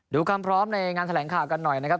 ความพร้อมในงานแถลงข่าวกันหน่อยนะครับ